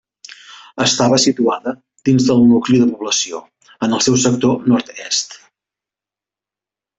Estava situada dins del nucli de població, en el seu sector nord-est.